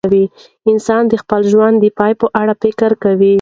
انسان د خپل ژوند د پای په اړه فکر کوي.